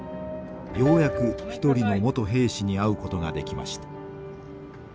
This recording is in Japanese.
ようやく一人の元兵士に会うことができました。